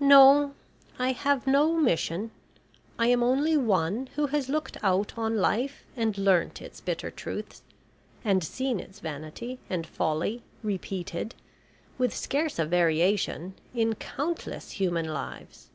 "No, I have no mission. I am only one who has looked out on life and learnt its bitter truths, and seen its vanity and folly repeated, with scarce a variation, in countless human lives."